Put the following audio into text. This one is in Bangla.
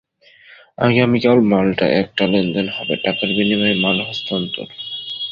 আগামীকাল মাল্টায় একটা লেনদেন হবে, টাকার বিনিময়ে মাল হস্তান্তর।